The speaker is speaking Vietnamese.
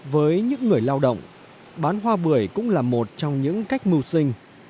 với những người lao động bán hoa bưởi cũng là một trong những cách mưu sinh